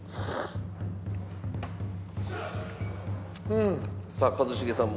うん。